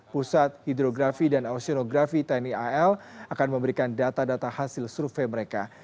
pusat hidrografi dan osinografi tni al akan memberikan data data hasil survei mereka